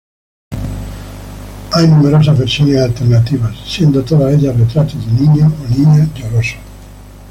Hay numerosas versiones alternativas, siendo todas ellas retratos de niños o niñas llorosos.